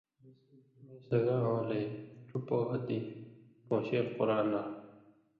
میں سگان ہولئ ݜُو پوہہۡ دی پون٘شېل قرآں لا